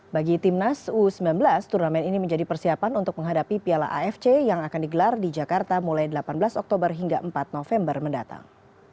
bagi timnas u sembilan belas turnamen ini menjadi persiapan untuk menghadapi piala afc yang akan digelar di jakarta mulai delapan belas oktober hingga empat november mendatang